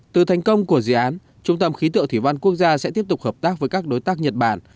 từ thành công của dự án trung tâm khí tượng thủy văn quốc gia sẽ tiếp tục hợp tác với các đối tác nhật bản